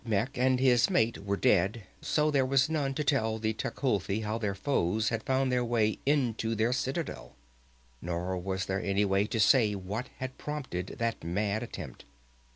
Xatmec and his mate were dead, so there was none to tell the Tecuhltli how their foes had found their way into their citadel. Nor was there any to say what had prompted that mad attempt.